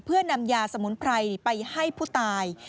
เพื่อนำยาสมุนไพรไปให้ผู้ตาย